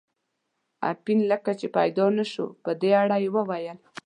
اپین لکه چې پیدا نه شو، په دې اړه یې وویل.